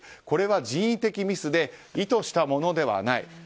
これは人為的ミスで意図したものではない。